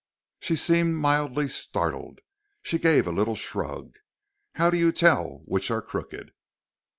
She seemed mildly startled. She gave a little shrug. "How do you tell which are crooked?"